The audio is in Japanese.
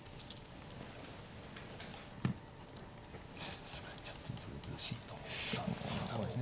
さすがにちょっとずうずうしいと思ったんですが。